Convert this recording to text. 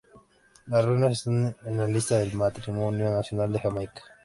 Las ruinas están en la lista del Patrimonio Nacional de Jamaica.